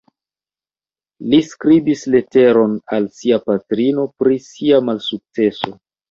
Li skribis leteron al sia patrino, pri sia malsukceso.